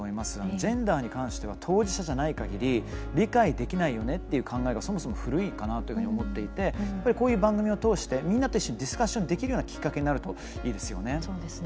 ジェンダーに関しては当事者じゃないかぎり理解できないよねという考えがそもそも古いかなと思っていてこういう番組を通してみんなでディスカッションできるきっかけになるといいですよね。